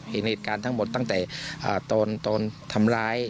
เห็นเหตุการณ์ทั้งหมดตั้งแต่ตอนทำร้าย